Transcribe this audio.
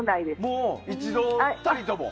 もう一度たりとも？